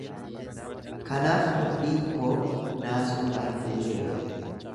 Kanaaf mudhiin koo naasuudhaan guuteera.